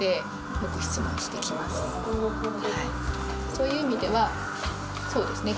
そういう意味ではそうですね